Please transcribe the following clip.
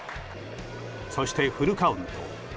そして、フルカウント。